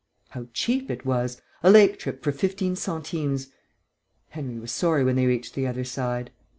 How cheap it was: a lake trip for fifteen centimes! Henry was sorry when they reached the other side.